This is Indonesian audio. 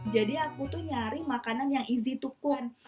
jadi aku tuh nyari makanan yang easy to cook